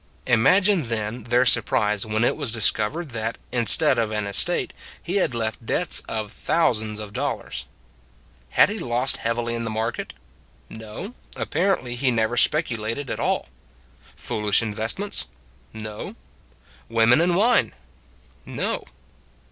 Imagine, then, their surprise when it was discovered that, instead of an estate, he had left debts of thousands of dollars. Had he lost heavily in the market? No; apparently, he never speculated at all. Foolish investments? No. Women and wine? No.